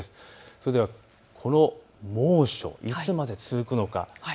それではこの猛暑いつまで続くのか。